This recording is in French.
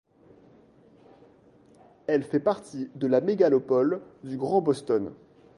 Elle fait partie de la mégapole du Grand Boston.